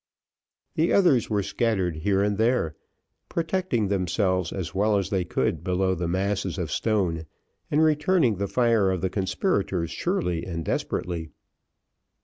The others were scattered here and there, protecting themselves as well as they could below the masses of stone, and returning the fire of the conspirators surely and desperately.